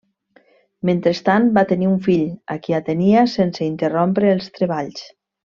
Mentrestant va tenir un fill, a qui atenia sense interrompre els treballs.